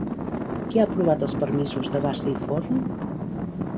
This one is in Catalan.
Qui ha aprovat els permisos de Bassa i Forn?